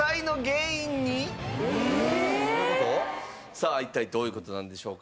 さあ一体どういう事なんでしょうか。